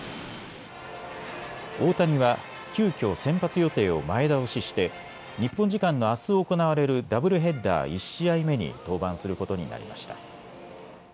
大谷は急きょ先発予定を前倒しして日本時間のあす行われるダブルヘッダー１試合目に登板することになりました。